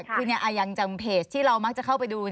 คือเนี่ยอย่างเพจที่เรามักจะเข้าไปดู